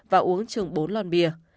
và uống chừng bốn lon bia